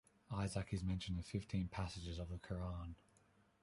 Isaac is mentioned in fifteen passages of the Qur'an.